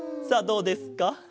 さあどうですか？